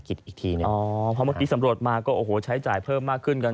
อีกทีหนึ่งอ๋อเพราะเมื่อกี้สำรวจมาก็โอ้โหใช้จ่ายเพิ่มมากขึ้นกัน